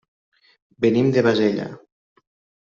Venim de Bassella.